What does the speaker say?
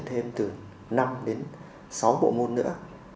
và sẽ phát triển thêm từ năm đến sáu bộ môn nữa